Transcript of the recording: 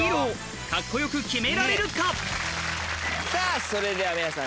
さぁそれでは皆さん。